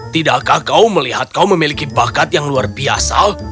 tidakkah kau melihat kau memiliki bakat yang luar biasa